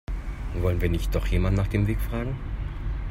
Wollen wir nicht doch jemanden nach dem Weg fragen?